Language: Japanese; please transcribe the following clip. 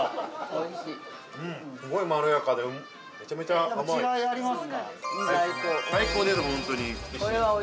◆すごいまろやかで、めちゃめちゃ甘い。